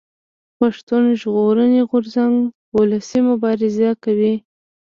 پښتون ژغورني غورځنګ اولسي مبارزه کوي